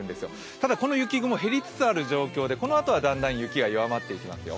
ただこの雪雲、減りつつある状況でこのあとはだんだん雪が弱まっていきますよ。